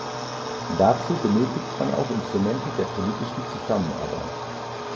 Dazu benötigt man auch Instrumente der politischen Zusammenarbeit.